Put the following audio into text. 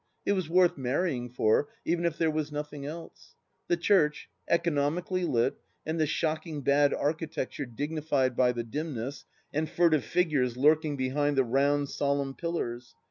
It was worth marrying for, even if there was nothing else. The church, economically lit, and the shock ing bad architecture dignified by the dimness, and furtive figures lurking behind the round, solemn pillars.